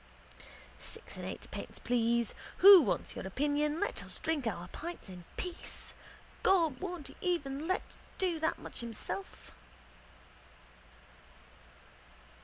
Six and eightpence, please. Who wants your opinion? Let us drink our pints in peace. Gob, we won't be let even do that much itself.